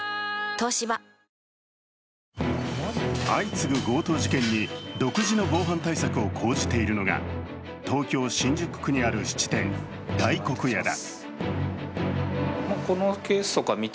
東芝相次ぐ強盗事件に独自の防犯対策を講じているのが東京・新宿区にある質店大黒屋だ。